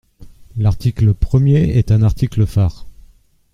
L’article premier est un article phare.